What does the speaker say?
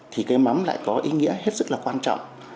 thì cái mắm lại có ý nghĩa hết sức là quan trọng